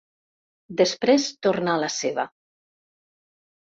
Després torna a la seva.